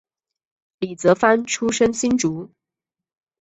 李泽藩出生新竹